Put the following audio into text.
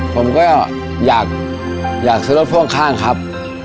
ผมก็อยากซื้อรถพ่วงข้างครับ